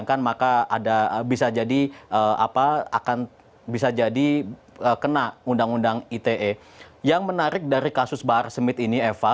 kemudian ayah dari remaja tersebut mendokumentasikan mulai dari kedatangan sampai dengan diikut juga dibawa